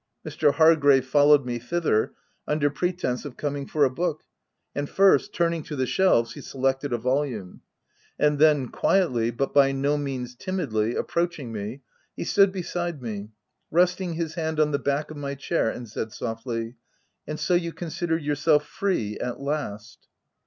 Mr. Hargrave followed me thither, under pretence of coming for a book ; and first, turning to the shelves, he selected a volume ; and then, quietly, but by no means timidly, approaching me, he stood beside me, resting his hand on the back of my chair, and said softly, — t€ And so you consider yourself free, at last